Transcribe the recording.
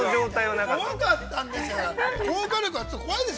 ◆怖かった、怖いんです。